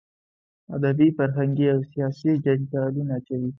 ادبي، فرهنګي او سیاسي جنجالونه کوي.